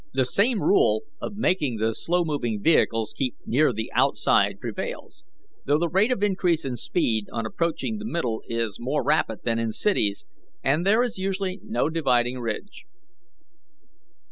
The same rule of making the slow moving vehicles keep near the outside prevails, though the rate of increase in speed on approaching the middle is more rapid than in cities, and there is usually no dividing ridge.